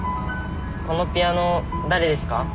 このピアノ誰ですか？